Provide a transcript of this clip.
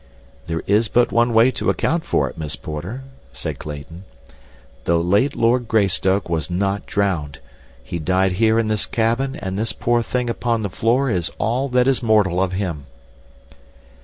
"There is but one way to account for it, Miss Porter," said Clayton. "The late Lord Greystoke was not drowned. He died here in this cabin and this poor thing upon the floor is all that is mortal of him."